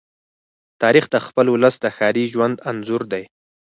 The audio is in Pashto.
تاریخ د خپل ولس د ښاري ژوند انځور دی.